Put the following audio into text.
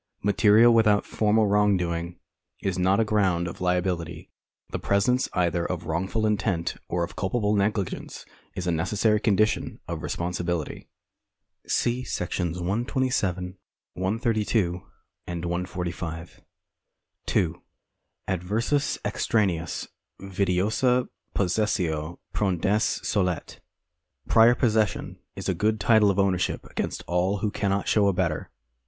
Material without formal wrongdoing is not a ground of liability. The presence either of wrongful intent or of culpable negligence is a necessary condition of responsibility. See §§ 127, 132, 145. 2. Adversus extraneos vitiosa possessio prodesse solet. D. 41. 2. 53. Prior possession is a good title of ownership against all who cannot show a better.